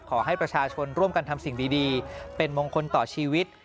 ขอให้ประชาชนร่วมกันทำสิ่งดีเป็นมงคลต่อชีวิต